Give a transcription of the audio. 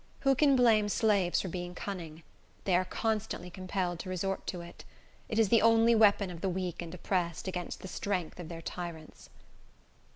Who can blame slaves for being cunning? They are constantly compelled to resort to it. It is the only weapon of the weak and oppressed against the strength of their tyrants.